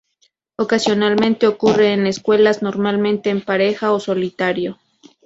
Ocasionalmente ocurre en "escuelas", normalmente en pareja o solitario.